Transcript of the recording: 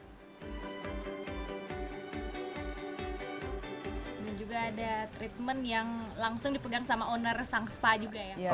ini juga ada treatment yang langsung dipegang sama owner sang spa juga ya